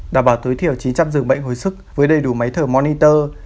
đảm bảo tối thiểu chín trăm linh giường bệnh hồi sức với đầy đủ máy thở monitor